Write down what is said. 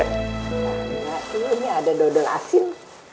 nah ini ada dodol asin